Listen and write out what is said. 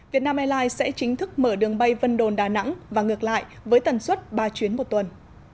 việt nam airlines sẽ chính thức mở đường bay vân đồn đà nẵng và ngược lại với tần suất ba chuyến một tuần